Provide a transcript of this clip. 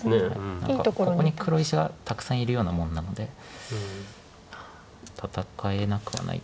何かここに黒石がたくさんいるようなもんなので戦えなくはないかなと。